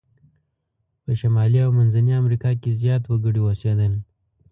په شمالي او منځني امریکا کې زیات وګړي اوسیدل.